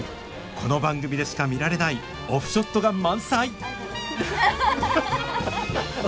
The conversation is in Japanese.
この番組でしか見られないオフショットが満載！